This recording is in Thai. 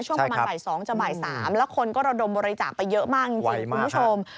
ช่วงประมาณบ่าย๒จะบ่าย๓แล้วคนก็ระดมบริจาคไปเยอะมากจริงคุณผู้ชม